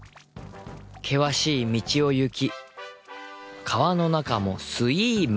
険しい道を行き川の中もすいむ。